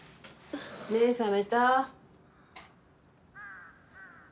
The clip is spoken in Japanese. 目ぇ覚めた？